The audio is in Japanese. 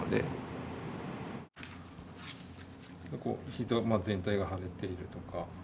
ひざ全体が腫れているとか。